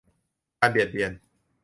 การเบียดเบียน